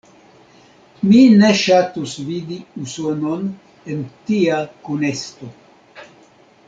Mi ne ŝatus vidi Usonon en tia kunesto.